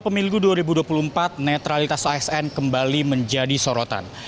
pemilu dua ribu dua puluh empat netralitas asn kembali menjadi sorotan